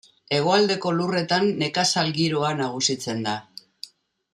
Hegoaldeko lurretan nekazal giroa nagusitzen da.